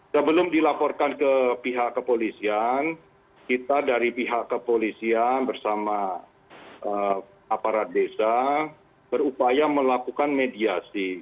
sebelum dilaporkan ke pihak kepolisian kita dari pihak kepolisian bersama aparat desa berupaya melakukan mediasi